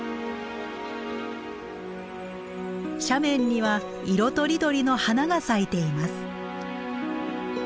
斜面には色とりどりの花が咲いています。